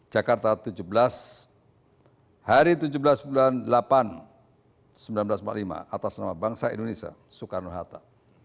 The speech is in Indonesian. jakarta tujuh belas hari tujuh belas bulan delapan seribu sembilan ratus empat puluh lima atas nama bangsa indonesia soekarno hatta